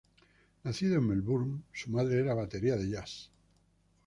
Nacido en Melbourne, su madre era batería de jazz.